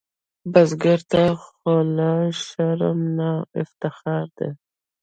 بزګر ته خوله شرم نه، افتخار دی